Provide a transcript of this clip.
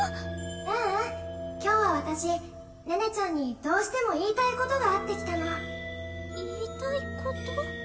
ううん今日は私寧々ちゃんにどうしても言いたいことがあって来たの言いたいこと？